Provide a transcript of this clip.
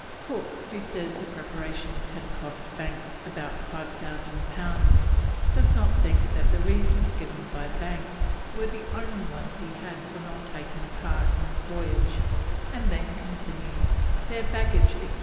Cook, who says the preparations had cost Banks "about five Thousand Pounds," does not think that the reasons given by Banks were the only ones he had for not taking part in the voyage, and then continues, "their baggage, etc.